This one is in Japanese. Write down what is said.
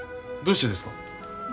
どうしてですか？